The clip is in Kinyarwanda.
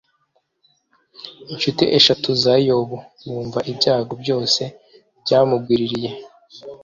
incuti eshatu za yobu bumva ibyago byose byamugwiririye .